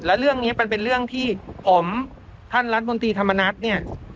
แล้วเรื่องนี้มันเป็นเรื่องที่ผมท่านรัฐมนตรีธรรมนัฐเนี่ย